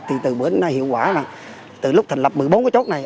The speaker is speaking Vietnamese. thì từ đến nay hiệu quả là từ lúc thành lập một mươi bốn cái chốt này